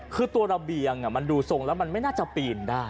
คือตัวระเบียงมันดูทรงแล้วมันไม่น่าจะปีนได้